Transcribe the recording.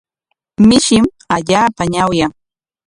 Mishim allaapa ñawyan.